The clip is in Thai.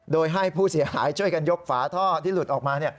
โดยให้ผู้เสียหายช่วยกันยกฝาท่อที่หลุดออกมา